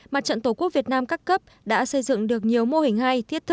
mặt trận tổ quốc việt nam các cấp đã xây dựng được nhiều mô hình hay